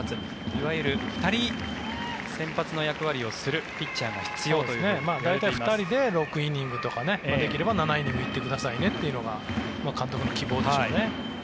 いわゆる２人先発の役割をするピッチャーが２人で６イニングとかできれば７イニング行ってくださいねというのが監督の希望でしょうね。